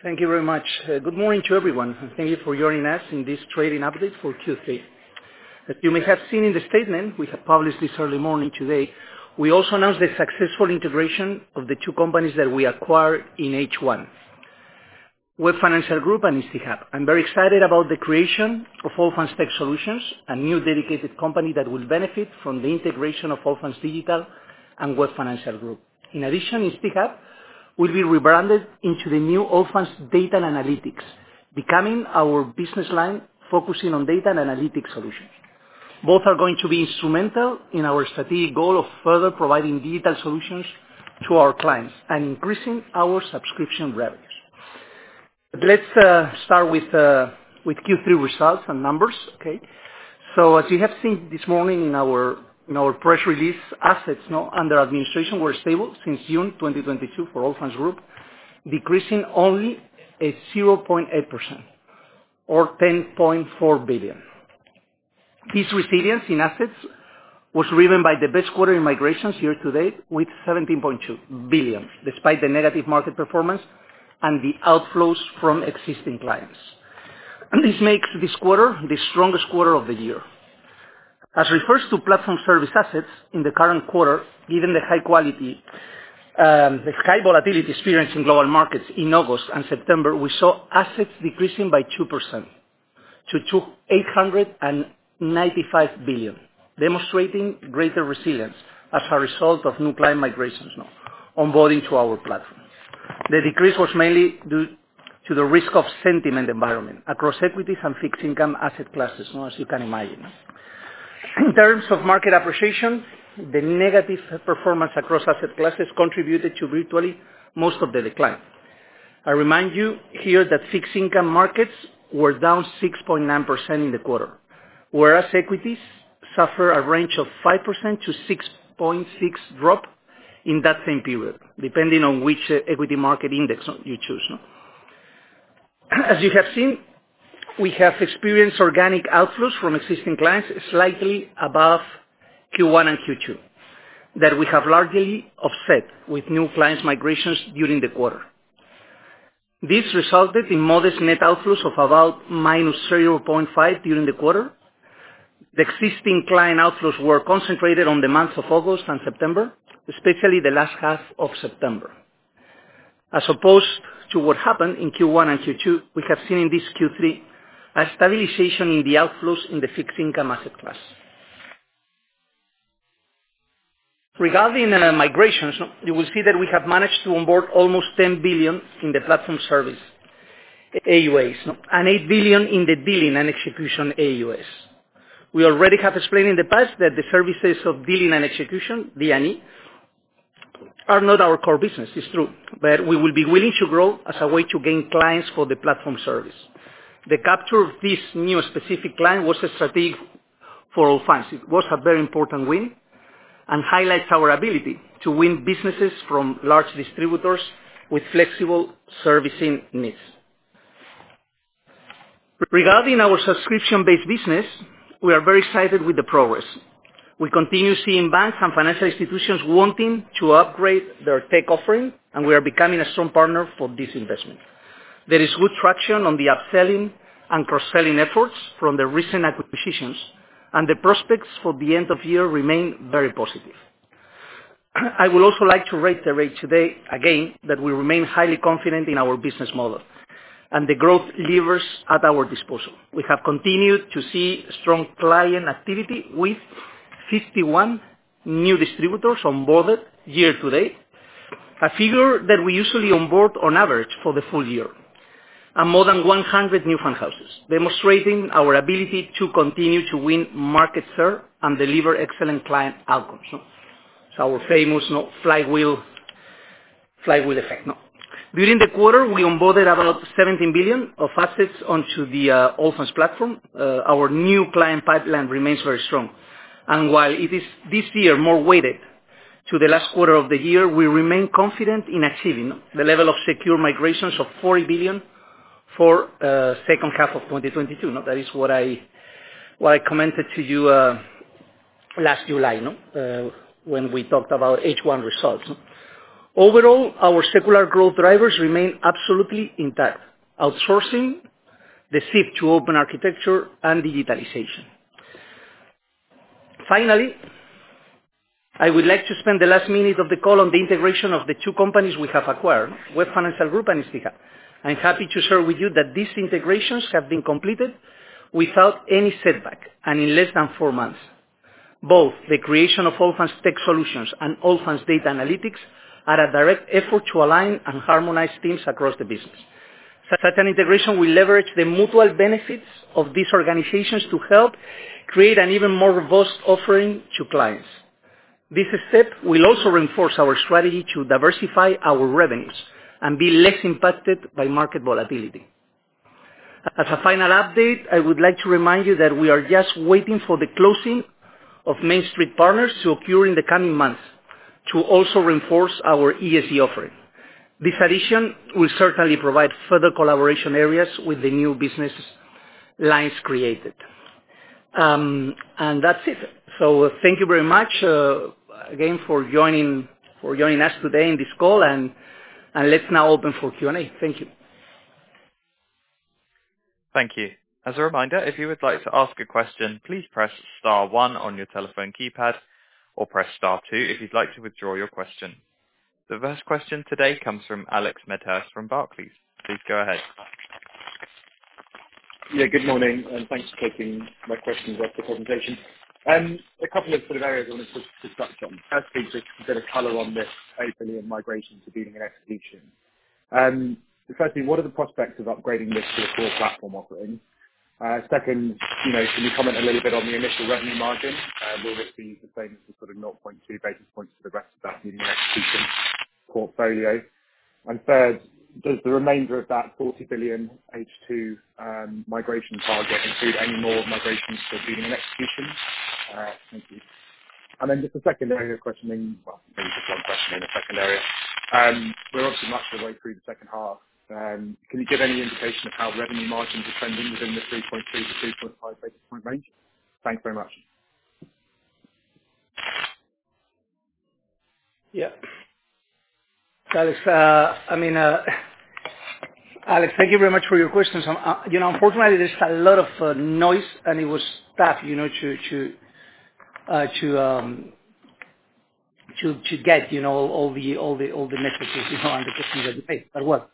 Thank you very much. Good morning to everyone, and thank you for joining us in this trading update for Q3. As you may have seen in the statement we have published this early morning today, we also announced the successful integration of the two companies that we acquired in H1, Web Financial Group and instiHub. I'm very excited about the creation of Allfunds Tech Solutions, a new dedicated company that will benefit from the integration of Allfunds Digital and Web Financial Group. In addition, instiHub will be rebranded into the new Allfunds Data Analytics, becoming our business line focusing on data and analytics solutions. Both are going to be instrumental in our strategic goal of further providing digital solutions to our clients and increasing our subscription revenues. Let's start with Q3 results and numbers, okay? As you have seen this morning in our press release, assets under administration were stable since June 2022 for Allfunds Group, decreasing only at 0.8% or 10.4 billion. This resilience in assets was driven by the best quarter in migrations year to date, with 17.2 billion, despite the negative market performance and the outflows from existing clients. This makes this quarter the strongest quarter of the year. As regards to platform service assets in the current quarter, given the high quality, the high volatility experienced in global markets in August and September, we saw assets decreasing by 2% to 895 billion, demonstrating greater resilience as a result of new client migrations now onboarding to our platform. The decrease was mainly due to the risk-off sentiment environment across equities and fixed income asset classes, you know, as you can imagine. In terms of market appreciation, the negative performance across asset classes contributed to virtually most of the decline. I remind you here that fixed income markets were down 6.9% in the quarter, whereas equities suffer a range of 5%-6.6% drop in that same period, depending on which equity market index you choose, you know? As you have seen, we have experienced organic outflows from existing clients slightly above Q1 and Q2, that we have largely offset with new clients migrations during the quarter. This resulted in modest net outflows of about -0.5 during the quarter. The existing client outflows were concentrated on the months of August and September, especially the last half of September. As opposed to what happened in Q1 and Q2, we have seen in this Q3 a stabilization in the outflows in the fixed income asset class. Regarding the migrations, you will see that we have managed to onboard almost 10 billion in the platform service AUAs, you know? 8 billion in the Dealing & Execution AUAs. We already have explained in the past that the services of Dealing & Execution, D&E, are not our core business, it's true. We will be willing to grow as a way to gain clients for the platform service. The capture of this new specific client was strategic for Allfunds. It was a very important win and highlights our ability to win businesses from large distributors with flexible servicing needs. Regarding our subscription-based business, we are very excited with the progress. We continue seeing banks and financial institutions wanting to upgrade their tech offering, and we are becoming a strong partner for this investment. There is good traction on the upselling and cross-selling efforts from the recent acquisitions, and the prospects for the end of year remain very positive. I would also like to reiterate today again that we remain highly confident in our business model and the growth levers at our disposal. We have continued to see strong client activity with 51 new distributors onboarded year to date, a figure that we usually onboard on average for the full year, and more than 100 new fund houses, demonstrating our ability to continue to win market share and deliver excellent client outcomes. It's our famous flywheel effect. During the quarter, we onboarded about 17 billion of assets onto the Allfunds platform. Our new client pipeline remains very strong. While it is this year more weighted to the last quarter of the year, we remain confident in achieving the level of secure migrations of 40 billion for second half of 2022. That is what I commented to you last July. When we talked about H1 results. Overall, our secular growth drivers remain absolutely intact, outsourcing, the shift to open architecture and digitalization. Finally, I would like to spend the last minute of the call on the integration of the two companies we have acquired, Web Financial Group and instiHub. I'm happy to share with you that these integrations have been completed without any setback and in less than four months. Both the creation of Allfunds Tech Solutions and Allfunds Data Analytics are a direct effort to align and harmonize teams across the business. Such an integration will leverage the mutual benefits of these organizations to help create an even more robust offering to clients. This step will also reinforce our strategy to diversify our revenues and be less impacted by market volatility. As a final update, I would like to remind you that we are just waiting for the closing of MainStreet Partners to occur in the coming months to also reinforce our ESG offering. This addition will certainly provide further collaboration areas with the new business lines created. That's it. Thank you very much, again for joining us today in this call, and let's now open for Q&A. Thank you. Thank you. As a reminder, if you would like to ask a question, please press star one on your telephone keypad, or press star two if you'd like to withdraw your question. The first question today comes from Alex Medhurst from Barclays. Please go ahead. Yeah, good morning, and thanks for taking my questions after the presentation. A couple of sort of areas I want to touch on. First is a bit of color on this EUR 8 billion migration to Dealing & Execution. Firstly, what are the prospects of upgrading this to the core platform offering? Second, you know, can you comment a little bit on the initial revenue margin? Will it be the same sort of 0.2 basis points for the rest of that Dealing & Execution portfolio? And third, does the remainder of that 40 billion H2 migration target include any more migrations for Dealing & Execution? Thank you. Just a second area of questioning. Well, maybe just one question in the second area. We're obviously much of the way through the second half. Can you give any indication of how revenue margins are trending within the 3.3-3.5 basis point range? Thanks very much. Yeah, Alex, thank you very much for your questions. You know, unfortunately there's a lot of noise and it was tough, you know, to get all the messages, you know, and the questions that you posed. Well,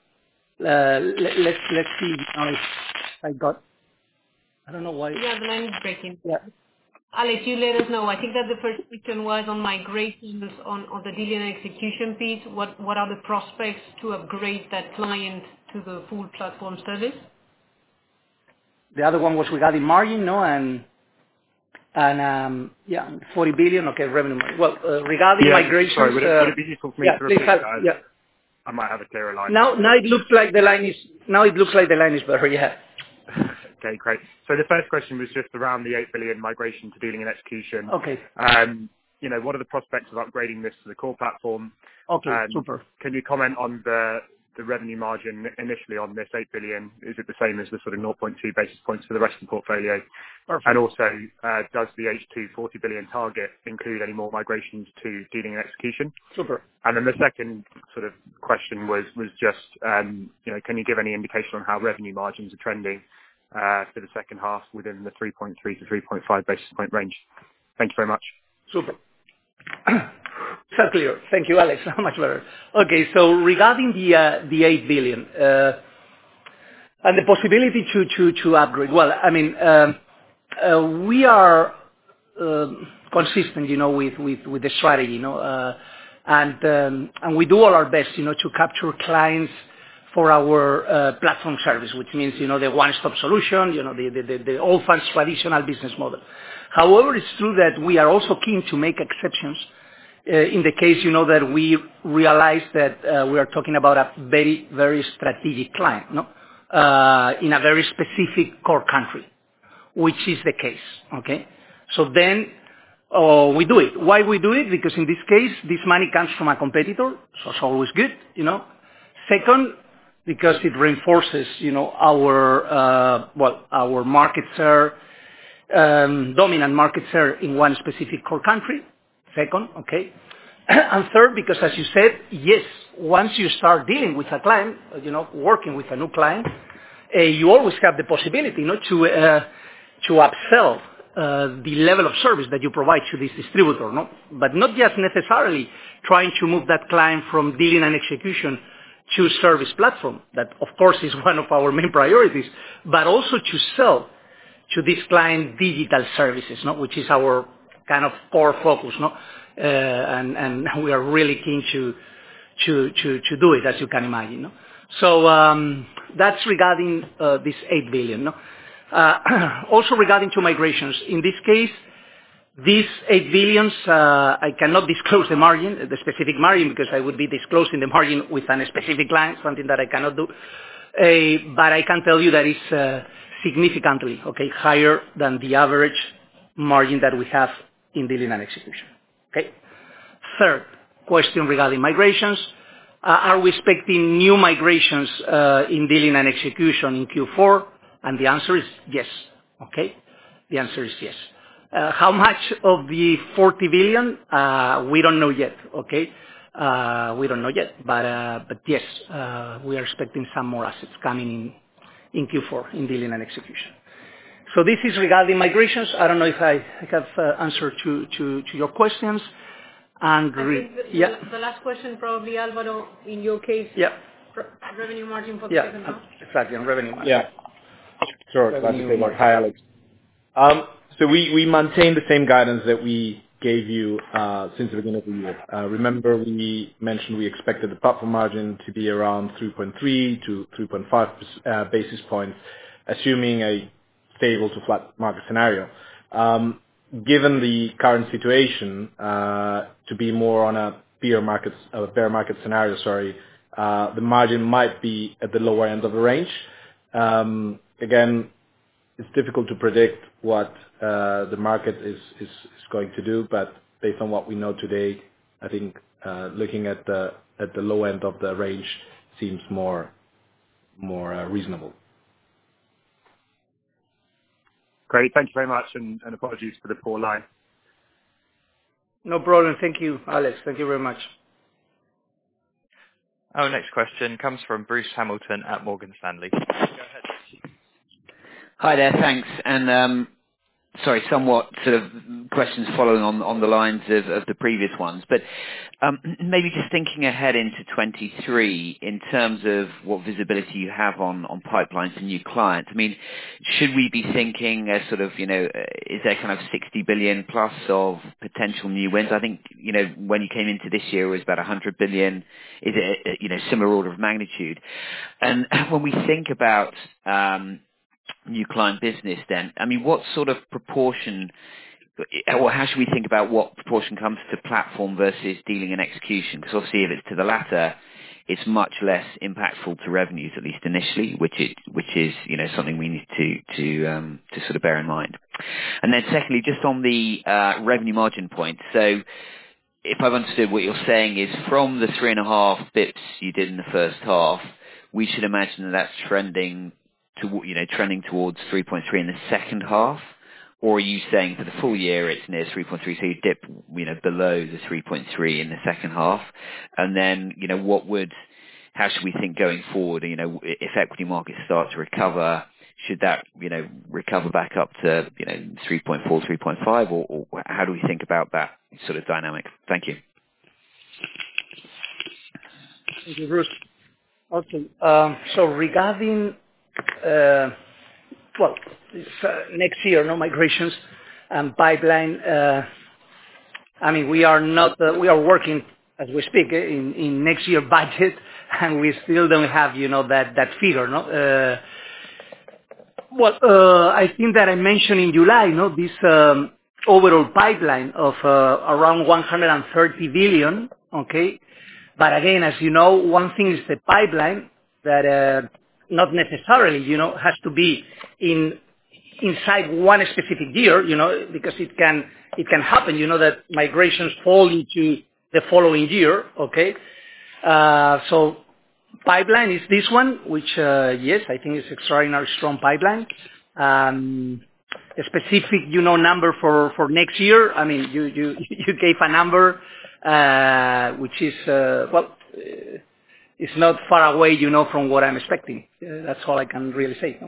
let's see now if I got. I don't know why. Yeah, the line is breaking. Yeah. Alex, you let us know. I think that the first question was on migrations on the Dealing & Execution piece. What are the prospects to upgrade that client to the full platform service? The other one was regarding margin, yeah, 40 billion, okay, revenue margin. Well, regarding migrations. Yeah. Sorry. Would it be useful for me to repeat that? Yeah. I might have a clearer line. Now it looks like the line is better. Yeah. Okay, great. The first question was just around the 8 billion migration to Dealing & Execution. Okay. You know, what are the prospects of upgrading this to the core platform? Okay. Super. Can you comment on the revenue margin initially on this 8 billion? Is it the same as the sort of 0.2 basis points for the rest of the portfolio? Perfect. Does the H2 40 billion target include any more migrations to Dealing & Execution? Super. Then the second sort of question was just, you know, can you give any indication on how revenue margins are trending for the second half within the 3.3-3.5 basis point range? Thank you very much. Super. It's all clear. Thank you, Alex. Much better. Okay. Regarding the 8 billion and the possibility to upgrade. Well, I mean, we are consistent, you know, with the strategy, you know, and we do all our best, you know, to capture clients for our platform service, which means, you know, the one-stop solution, you know, the old-fashioned traditional business model. However, it's true that we are also keen to make exceptions in the case, you know, that we've realized that we are talking about a very strategic client, you know, in a very specific core country, which is the case, okay? We do it. Why we do it? Because in this case, this money comes from a competitor, so it's always good, you know. Second, because it reinforces, you know, our well our market share dominant market share in one specific core country. Second, okay. Third, because as you said, yes, once you start dealing with a client, you know, working with a new client, you always have the possibility, you know, to upsell the level of service that you provide to this distributor. No. not just necessarily trying to move that client from Dealing & Execution to platform service. That, of course, is one of our main priorities, but also to sell to this client digital services, you know, which is our kind of core focus, you know. and we are really keen to do it, as you can imagine, you know. that's regarding this 8 billion, you know. Also regarding to migrations. In this case, this 8 billion, I cannot disclose the margin, the specific margin, because I would be disclosing the margin with a specific client, something that I cannot do. But I can tell you that it's significantly higher than the average margin that we have in Dealing & Execution. Third question regarding migrations. Are we expecting new migrations in Dealing & Execution in Q4? The answer is yes. How much of the 40 billion? We don't know yet. Yes, we are expecting some more assets coming in in Q4 in Dealing & Execution. This is regarding migrations. I don't know if I have answered your questions. And re- I think the- Yeah. The last question probably, Álvaro, in your case. Yeah. Revenue margin for the business. Yeah. Exactly. On revenue margin. Yeah. Sure. Glad to take that. Hi, Alex. So we maintain the same guidance that we gave you since the beginning of the year. Remember we mentioned we expected the platform margin to be around 3.3-3.5 basis points, assuming a stable to flat market scenario. Given the current situation to be more on a bear market scenario, the margin might be at the lower end of the range. Again, it's difficult to predict what the market is going to do, but based on what we know today, I think looking at the low end of the range seems more reasonable. Great. Thank you very much, and apologies for the poor line. No problem. Thank you, Alex. Thank you very much. Our next question comes from Bruce Hamilton at Morgan Stanley. Go ahead, Bruce. Hi there. Thanks. Sorry, somewhat sort of questions following on the lines of the previous ones. But maybe just thinking ahead into 2023 in terms of what visibility you have on pipelines and new clients. I mean, should we be thinking as sort of, you know, is there kind of 60 billion plus of potential new wins? I think, you know, when you came into this year it was about 100 billion. Is it, you know, similar order of magnitude? When we think about new client business then, I mean, what sort of proportion or how should we think about what proportion comes to platform versus Dealing & Execution? 'Cause obviously if it's to the latter, it's much less impactful to revenues at least initially, which is, you know, something we need to sort of bear in mind. Secondly, just on the revenue margin point. If I've understood what you're saying is from the 3.5 basis points you did in the first half, we should imagine that that's trending toward, you know, 3.3 in the second half? Or are you saying for the full year it's near 3.3, so you dip, you know, below the 3.3 in the second half? Then, you know, how should we think going forward, you know, if equity markets start to recover, should that, you know, recover back up to, you know, 3.4-3.5, or how do we think about that sort of dynamic? Thank you. Thank you, Bruce. Okay. Regarding next year, you know, migrations and pipeline, I mean, we are working as we speak in next year budget, and we still don't have, you know, that figure, you know? I think that I mentioned in July, you know, this overall pipeline of around 130 billion, okay? Again, as you know, one thing is the pipeline that not necessarily, you know, has to be in inside one specific year, you know, because it can happen, you know, that migrations fall into the following year, okay? Pipeline is this one which, yes, I think it's extraordinary strong pipeline. A specific, you know, number for next year, I mean, you gave a number, which is, well, is not far away, you know, from what I'm expecting. That's all I can really say.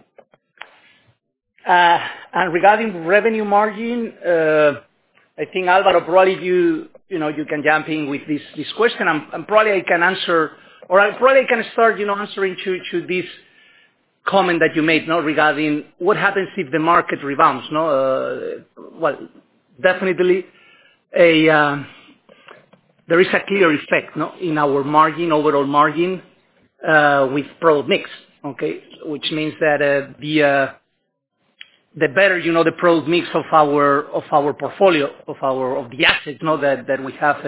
Regarding revenue margin, I think, Álvaro, probably you know you can jump in with this question. Probably I can answer or I probably can start, you know, answering to this comment that you made, you know, regarding what happens if the market rebounds, you know. Well, definitely there is a clear effect, you know, in our margin, overall margin, with product mix, okay? Which means that the better, you know, the product mix of our portfolio, of the assets, you know, that we have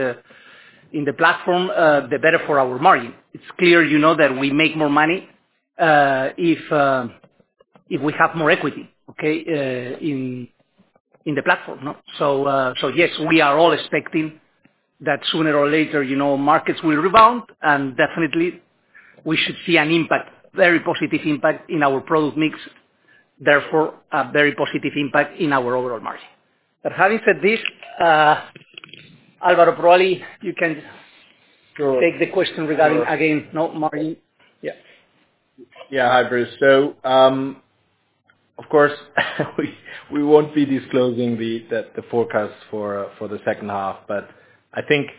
in the platform, the better for our margin. It's clear, you know, that we make more money if we have more equity, okay, in the platform, you know. Yes, we are all expecting that sooner or later, you know, markets will rebound, and definitely we should see an impact, very positive impact in our product mix, therefore a very positive impact in our overall margin. Having said this, Álvaro, probably you can. Sure. Take the question regarding, again, you know, margin. Yeah. Yeah. Hi, Bruce. Of course we won't be disclosing the forecast for the second half. I think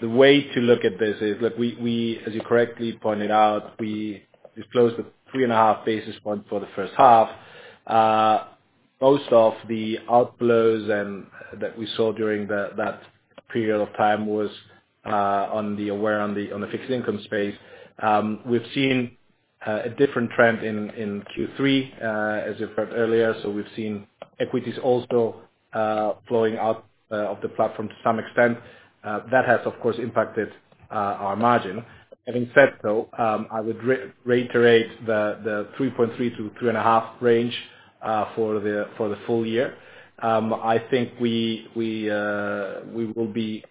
the way to look at this is, as you correctly pointed out, we disclosed the 3.5 basis points for the first half. Most of the outflows that we saw during that period of time was on the fixed income space. We've seen a different trend in Q3, as you referred earlier. We've seen equities also flowing out of the platform to some extent. That has, of course, impacted our margin. Having said so, I would reiterate the 3.3 to 3.5 range for the full year. I think we will be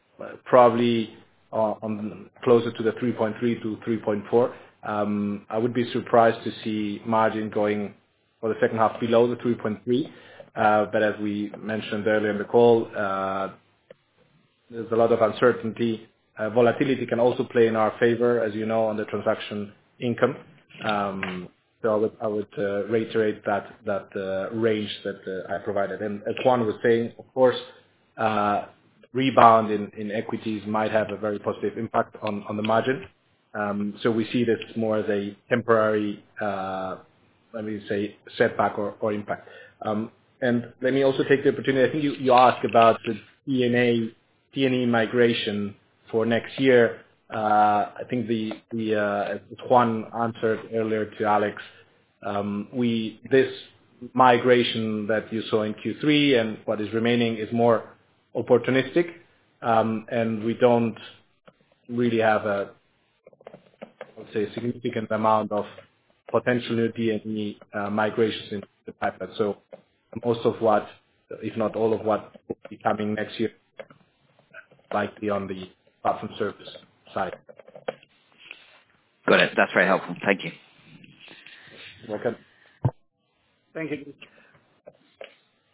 probably closer to the 3.3%-3.4%. I would be surprised to see margin going for the second half below the 3.3%. As we mentioned earlier in the call, there's a lot of uncertainty. Volatility can also play in our favor, as you know, on the transaction income. I would reiterate that range that I provided. As Juan was saying, of course, rebound in equities might have a very positive impact on the margin. We see this more as a temporary, let me say setback or impact. Let me also take the opportunity. I think you asked about the D&E migration for next year. I think as Juan answered earlier to Alex. This migration that you saw in Q3 and what is remaining is more opportunistic. We don't really have a, I would say, significant amount of potential new D&E migrations in the pipeline. Most of what, if not all of what will be coming next year. Like on the platform service side. Got it. That's very helpful. Thank you. You're welcome. Thank you.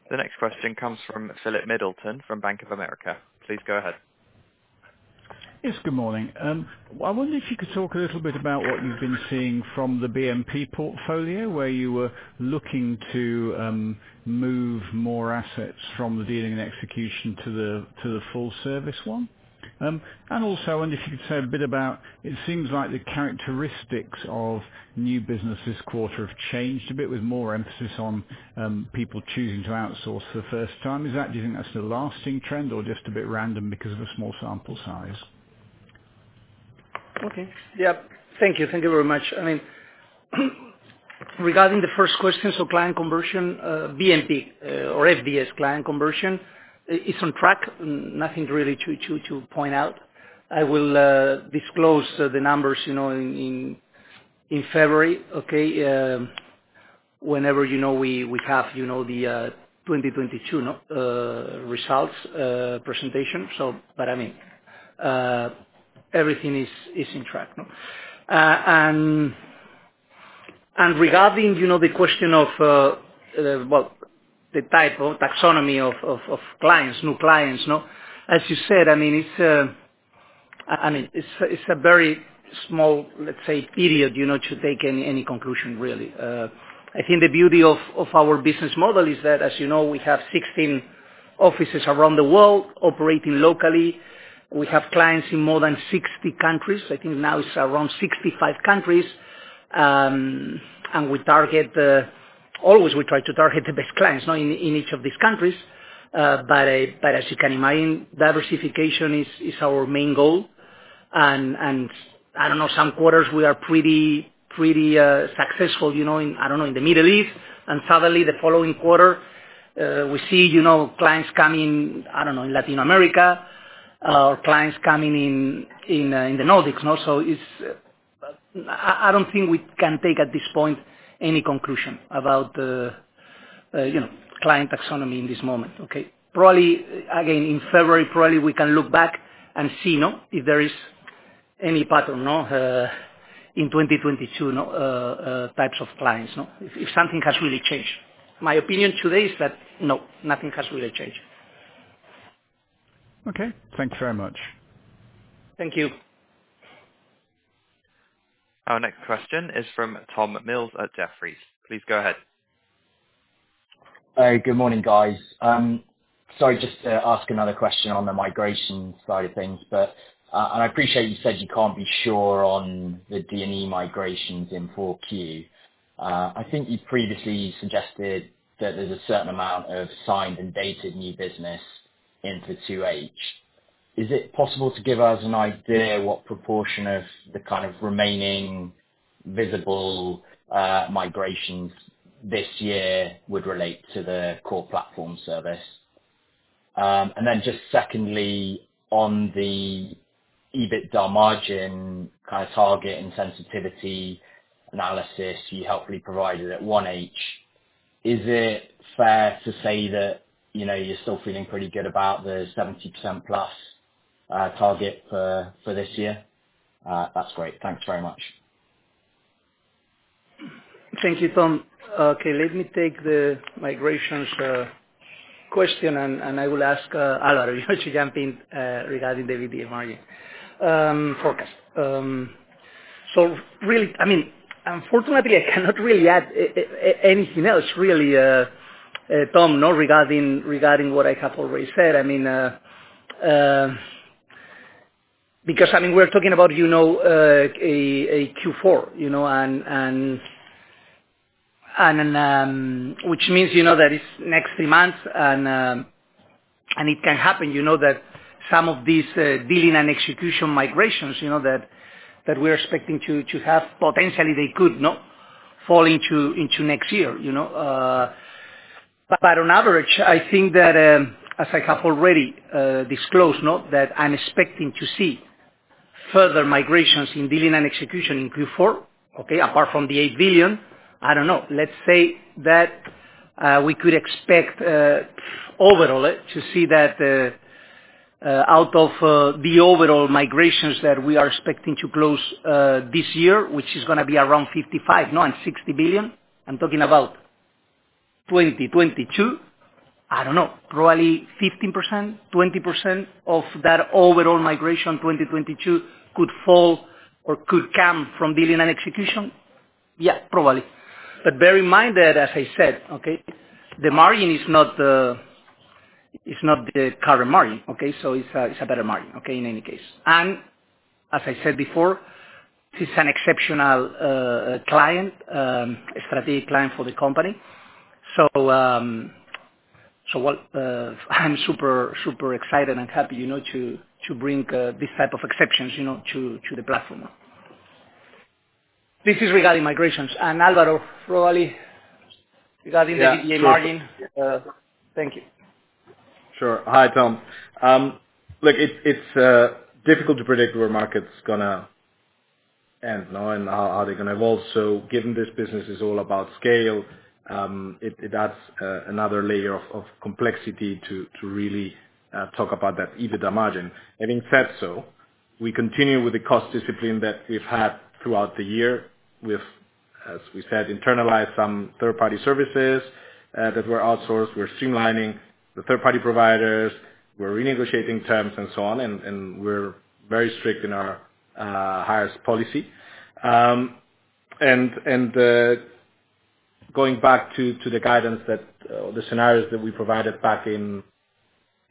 The next question comes from Philip Middleton from Bank of America. Please go ahead. Yes, good morning. Well, I wonder if you could talk a little bit about what you've been seeing from the BNP portfolio, where you were looking to move more assets from the Dealing & Execution to the full service one. I also wonder if you could say a bit about. It seems like the characteristics of new business this quarter have changed a bit with more emphasis on people choosing to outsource for the first time. Do you think that's the lasting trend or just a bit random because of the small sample size? Okay. Yeah. Thank you. Thank you very much. I mean, regarding the first question, client conversion, BNP or Allfunds client conversion, it's on track. Nothing really to point out. I will disclose the numbers, you know, in February, okay, whenever we have the 2022 results presentation. I mean, everything is on track. Regarding the question of the type of taxonomy of clients, new clients, you know, as you said, I mean, it's a very small, let's say, period to take any conclusion really. I think the beauty of our business model is that, as you know, we have 16 offices around the world operating locally. We have clients in more than 60 countries. I think now it's around 65 countries. We always try to target the best clients, you know, in each of these countries. But as you can imagine, diversification is our main goal. I don't know, some quarters we are pretty successful, you know, in the Middle East, and suddenly the following quarter, we see, you know, clients coming, I don't know, in Latin America, or clients coming in the Nordics. I don't think we can take at this point any conclusion about, you know, client taxonomy in this moment, okay? Probably, again, in February, probably we can look back and see, you know, if there is any pattern, you know, in 2022, you know, types of clients you know? If something has really changed. My opinion today is that, no, nothing has really changed. Okay. Thank you very much. Thank you. Our next question is from Tom Mills at Jefferies. Please go ahead. Hi. Good morning, guys. Sorry, just to ask another question on the migration side of things. I appreciate you said you can't be sure on the D&E migrations in Q4. I think you previously suggested that there's a certain amount of signed and dated new business into 2H. Is it possible to give us an idea what proportion of the kind of remaining visible migrations this year would relate to the core platform service? And then just secondly, on the EBITDA margin kind of target and sensitivity analysis you helpfully provided at 1H, is it fair to say that, you know, you're still feeling pretty good about the 70%+ target for this year? That's great. Thanks very much. Thank you, Tom. Okay, let me take the migrations question, and I will ask Álvaro to jump in, regarding the EBITDA margin forecast. Really, I mean, unfortunately, I cannot really add anything else really, Tom, you know, regarding what I have already said. I mean, because we're talking about, you know, a Q4, you know, and then, which means, you know, that it's next three months and it can happen, you know, that some of these Dealing & Execution migrations, you know, that we're expecting to have, potentially they could, you know, fall into next year, you know. On average, I think that, as I have already disclosed, you know, that I'm expecting to see further migrations in Dealing & Execution in Q4, okay, apart from the 8 billion, I don't know. Let's say that, we could expect, overall to see that, out of, the overall migrations that we are expecting to close, this year, which is going to be around 55-60 billion, I'm talking about 2022, I don't know, probably 15%, 20% of that overall migration 2022 could fall or could come from Dealing & Execution. Yeah, probably. bear in mind that as I said, okay, the margin is not the current margin, okay? It's a better margin, okay, in any case. As I said before, this is an exceptional client, a strategic client for the company. I'm super excited and happy, you know, to bring this type of exceptions, you know, to the platform. This is regarding migrations. Álvaro, probably regarding the. Yeah. Sure. EBITDA margin. Thank you. Sure. Hi, Tom. Look, it's difficult to predict where the market's going to. You know, how they're going to evolve. Given this business is all about scale, it adds another layer of complexity to really talk about that EBITDA margin. Having said so, we continue with the cost discipline that we've had throughout the year. We've, as we said, internalized some third-party services that were outsourced. We're streamlining the third-party providers. We're renegotiating terms and so on, and we're very strict in our hiring policy. And going back to the guidance that the scenarios that we provided back in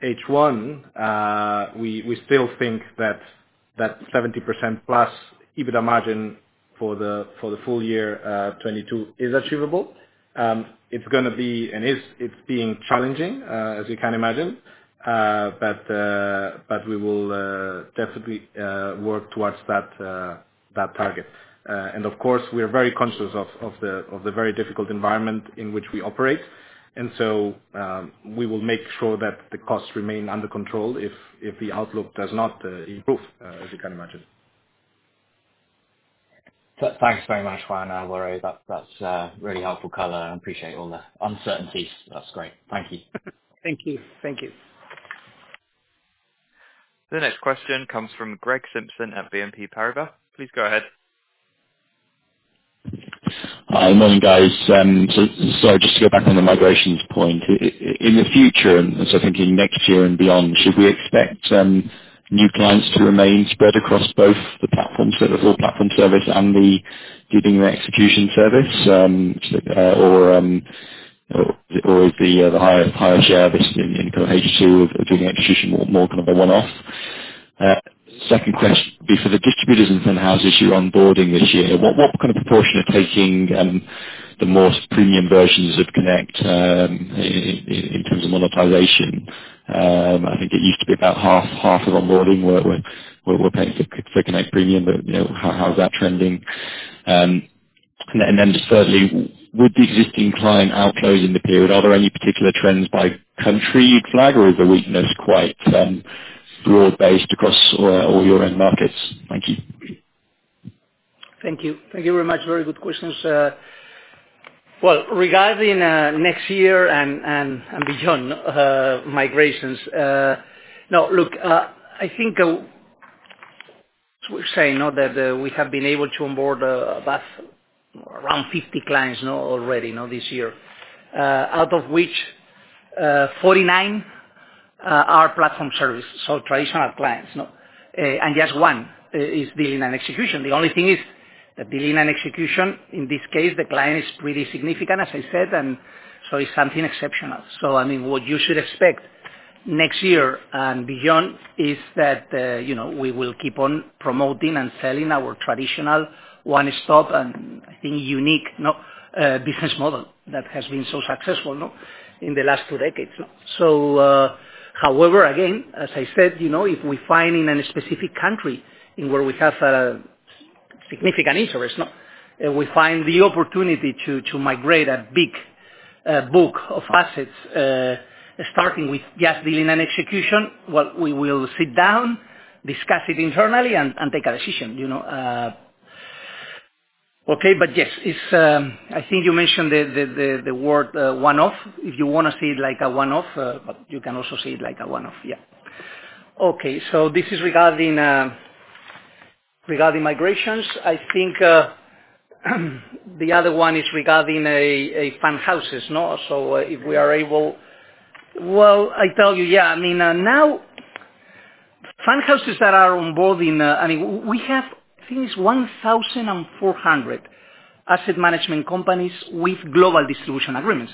H1, we still think that 70%+ EBITDA margin for the full year 2022 is achievable. It's been challenging, as you can imagine. We will definitely work towards that target. Of course, we are very conscious of the very difficult environment in which we operate. We will make sure that the costs remain under control if the outlook does not improve, as you can imagine. Thanks very much, Juan and Álvaro. That's really helpful color. I appreciate all the uncertainties. That's great. Thank you. Thank you. The next question comes from Gregory Simpson at BNP Paribas. Please go ahead. Hi. Morning, guys. Just to go back on the migrations point. In the future, thinking next year and beyond, should we expect new clients to remain spread across both the platforms, so the full platform service and the Dealing & Execution service, or the higher share of this in kind of H2 of Dealing & Execution more kind of a one-off? Second question for the distributors and fund houses you're onboarding this year, what kind of proportion are taking the most premium versions of Connect in terms of monetization? I think it used to be about half of onboarding were paying for Connect premium, but, you know, how is that trending? Thirdly, with the existing client outflow in the period, are there any particular trends by country you'd flag, or is the weakness quite broad-based across all your end markets? Thank you. Thank you. Thank you very much. Very good questions. Well, regarding next year and beyond, migrations. Now, look, I think we're saying now that we have been able to onboard about around 50 clients now already, now this year. Out of which, 49 are platform services, so traditional clients, you know. And just one is Dealing & Execution. The only thing is that Dealing & Execution, in this case, the client is really significant, as I said, and so it's something exceptional. I mean, what you should expect next year and beyond is that, you know, we will keep on promoting and selling our traditional one-stop and, I think, unique, you know, business model that has been so successful, you know, in the last two decades. However, again, as I said, you know, if we find in any specific country where we have a significant interest, you know, and we find the opportunity to migrate a big book of assets, starting with just Dealing & Execution, well, we will sit down, discuss it internally, and take a decision, you know. Okay. Yes, it's, I think you mentioned the word one-off. If you want to see it like a one-off, but you can also see it like a one-off. Yeah. Okay. This is regarding migrations. I think the other one is regarding fund houses, you know? If we are able. Well, I tell you, yeah, I mean, now fund houses that are onboarding, I mean, we have, I think it's 1,400 asset management companies with global distribution agreements.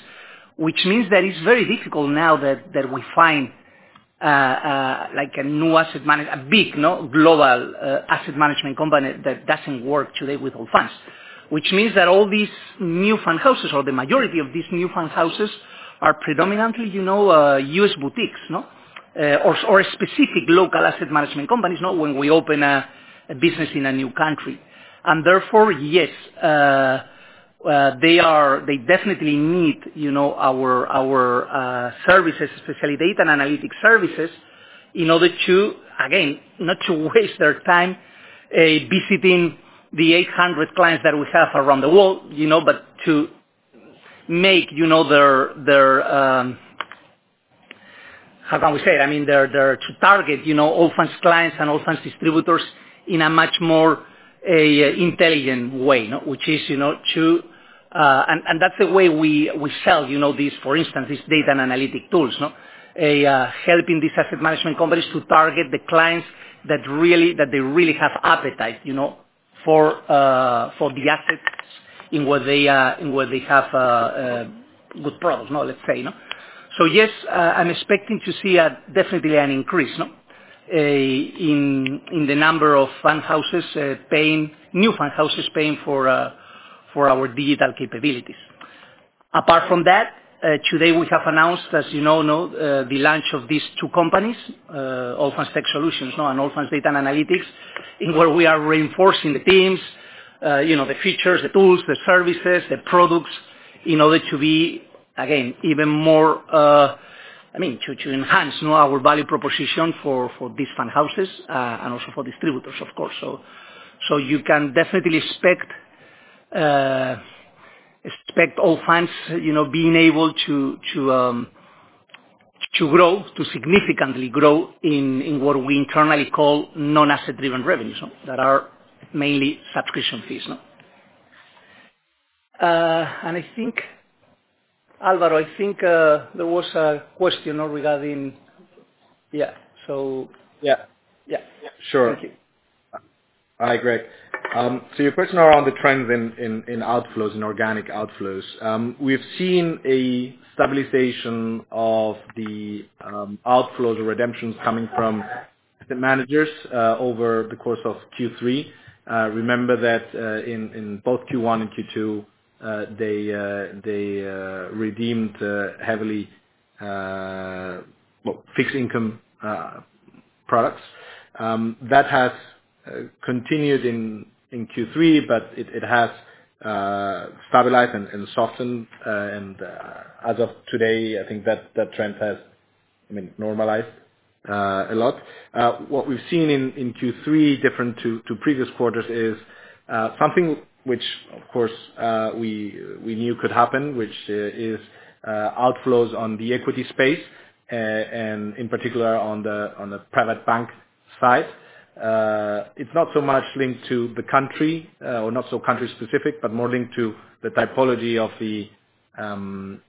Which means that it's very difficult now that we find, like, a new asset a big, you know, global, asset management company that doesn't work today with Allfunds. Which means that all these new fund houses or the majority of these new fund houses are predominantly, you know, US boutiques, you know? Or a specific local asset management companies, you know, when we open a business in a new country. Therefore, yes, they definitely need, you know, our services, especially data and analytics services, in order to, again, not to waste their time visiting the 800 clients that we have around the world, you know, but to make, you know, their way to target Allfunds clients and Allfunds distributors in a much more intelligent way, you know? That's the way we sell, you know, for instance, these data and analytics tools, you know? Helping these asset management companies to target the clients that they really have appetite, you know, for the assets in what they have good products. Let's say, you know? Yes, I'm expecting to see definitely an increase in the number of fund houses, new fund houses paying for our digital capabilities. Apart from that, today we have announced, as you know now, the launch of these two companies, Allfunds Tech Solutions, you know, and Allfunds Data and Analytics. In which we are reinforcing the teams, you know, the features, the tools, the services, the products, in order to be, again, even more, I mean, to enhance our value proposition for these fund houses, and also for distributors, of course. You can definitely expect Allfunds, you know, being able to grow significantly in what we internally call non-asset-driven revenues that are mainly subscription fees. I think, Álvaro, there was a question regarding. Yeah. Yeah. Sure. Thank you. Hi, Greg. Your question around the trends in organic outflows. We have seen a stabilization of the outflows or redemptions coming from the managers over the course of Q3. Remember that in both Q1 and Q2 they redeemed heavily, well, fixed income products. That has continued in Q3, but it has stabilized and softened. As of today, I think that trend has, I mean, normalized a lot. What we've seen in Q3 different to previous quarters is something which of course we knew could happen, which is outflows on the equity space and in particular on the private bank side. It's not so much linked to the country, or not so country-specific, but more linked to the typology of the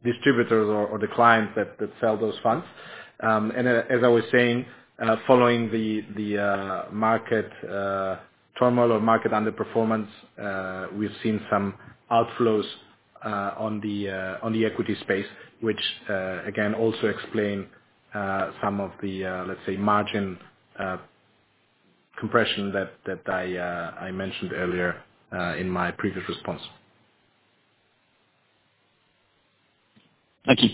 distributors or the clients that sell those funds. As I was saying, following the market turmoil or market underperformance, we've seen some outflows on the equity space, which again also explain some of the, let's say, margin compression that I mentioned earlier in my previous response. Thank you.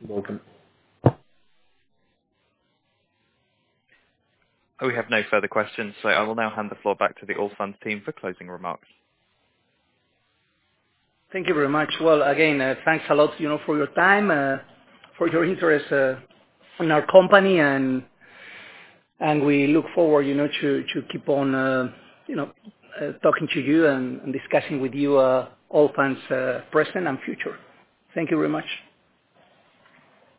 You're welcome. We have no further questions, so I will now hand the floor back to the Allfunds team for closing remarks. Thank you very much. Well, again, thanks a lot, you know, for your time, for your interest, in our company and we look forward, you know, to keep on, you know, talking to you and discussing with you, Allfunds, present and future. Thank you very much.